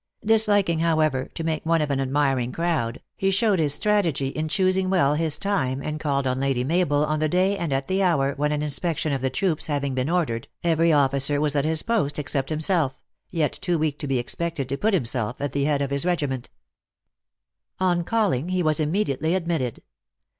Disliking, however, to make one of an admiring crowd, he showed his strategy in choosing well his time, and called on Lady Mabel on the day and at the hour when an inspection of the troops hav ing been ordered, every officer was at his post except himself yet too weak to be expected to put himself at the head of his regiment. THE ACTRESS IN HIGH LIFE. 47 On calling, he was immediately admitted.